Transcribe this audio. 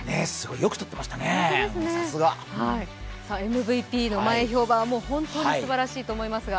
よく撮ってましたね、さすがＭＶＰの前評判は本当にすばらしいと思いますが。